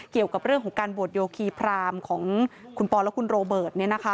เกี่ยวกับเรื่องของการบวชโยคีพรามของคุณปอและคุณโรเบิร์ต